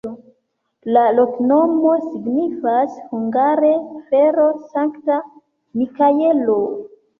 La loknomo signifas hungare: fero-Sankta Mikaelo.